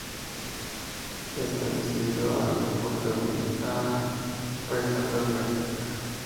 Está dedicado a República Dominicana, el país natal del artista.